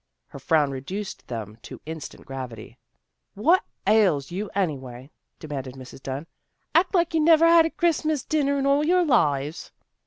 Her frown reduced them to instant gravity. " What ails you, anyway? " demanded Mrs. Dunn. " Act like you never had a Christmas dinner in all your lives."